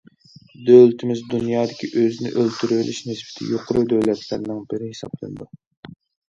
دۆلىتىمىز دۇنيادىكى ئۆزىنى ئۆلتۈرۈۋېلىش نىسبىتى يۇقىرى دۆلەتلەرنىڭ بىرى ھېسابلىنىدۇ.